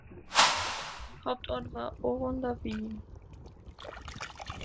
Hauptort war Oron-la-Ville.